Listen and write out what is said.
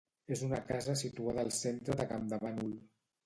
És una casa situada al centre de Campdevànol.